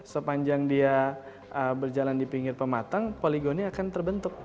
sepanjang dia berjalan di pinggir pematang poligoni akan terbentuk